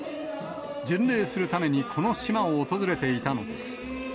巡礼するためにこの島を訪れていたのです。